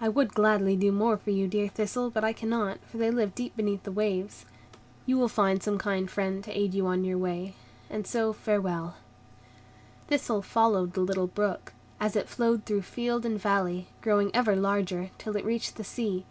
I would gladly do more for you, dear Thistle, but I cannot, for they live deep beneath the waves. You will find some kind friend to aid you on your way; and so farewell." Thistle followed the little brook, as it flowed through field and valley, growing ever larger, till it reached the sea.